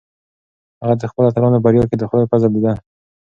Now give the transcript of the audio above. هغه د خپلو اتلانو په بریا کې د خدای فضل لیده.